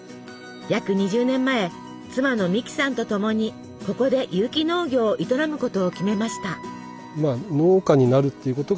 約２０年前妻の美木さんとともにここで有機農業を営むことを決めました。